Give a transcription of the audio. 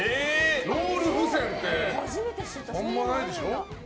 ロール付箋ってあんまりないでしょ。